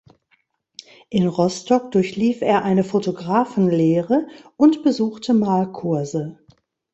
In Rostock durchlief er eine Fotografenlehre und besuchte Malkurse.